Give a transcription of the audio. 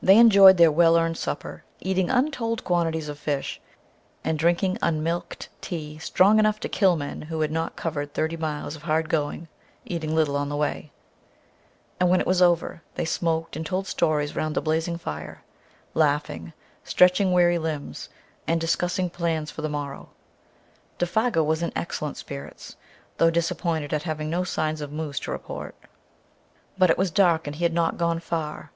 They enjoyed their well earned supper, eating untold quantities of fish, and drinking unmilked tea strong enough to kill men who had not covered thirty miles of hard "going," eating little on the way. And when it was over, they smoked and told stories round the blazing fire, laughing, stretching weary limbs, and discussing plans for the morrow. Défago was in excellent spirits, though disappointed at having no signs of moose to report. But it was dark and he had not gone far.